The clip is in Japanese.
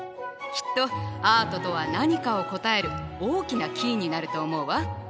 きっと「アートとは何か」を答える大きなキーになると思うわ。